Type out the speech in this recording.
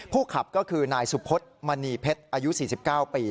ขับก็คือนายสุพธมณีเพชรอายุ๔๙ปี